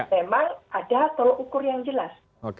memang ada tolok ukur yang jelas